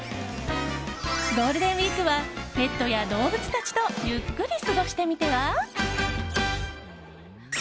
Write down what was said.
ゴールデンウィークはペットや動物たちとゆっくり過ごしてみては？